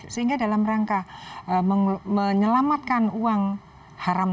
sehingga dalam rangka menyelamatkan uang haram